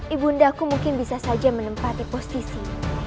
ibu ndaku mungkin bisa saja menempati posisi